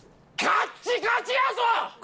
カッチカチやぞ！！